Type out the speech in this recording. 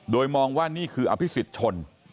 โดยมองว่านี่คืออภิสิทธิ์ชน